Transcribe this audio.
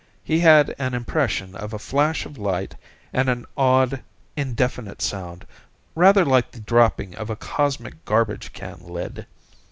He had an impression of a flash of light, and an odd, indefinite sound rather like the dropping of a cosmic garbage can lid.